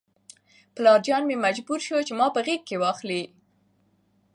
پلارجان مې مجبور شو چې ما په غېږ کې واخلي.